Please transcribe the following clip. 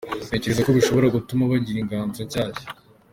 Ntekereza ko bishobora gutuma bagira inganzo nshyashya.